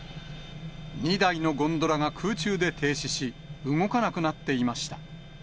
２台のゴンドラが空中で停止し、動かなくなっていました。